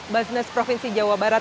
bajnes provinsi jawa barat